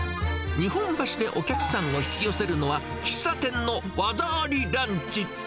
日本橋でお客さんを引き寄せるのは、喫茶店の技ありランチ。